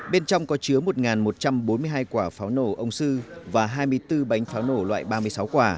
bên trong có chứa một một trăm bốn mươi hai quả pháo nổ ông sư và hai mươi bốn bánh pháo nổ loại ba mươi sáu quả